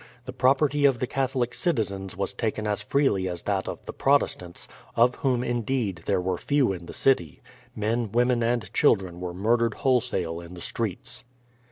The property of the Catholic citizens was taken as freely as that of the Protestants; of whom, indeed, there were few in the city. Men, women, and children were murdered wholesale in the streets.